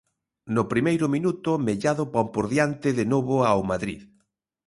No primeiro minuto Mellado pon por diante de novo ao Madrid.